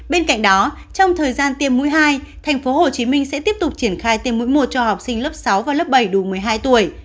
bên cạnh đó trong thời gian tiêm mũi hai tp hcm sẽ tiếp tục triển khai tiêm mũi một cho học sinh lớp sáu và lớp bảy đủ một mươi hai tuổi